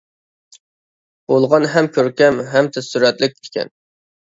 بولغان ھەم كۆركەم، ھەم تېز سۈرئەتلىك ئىكەن.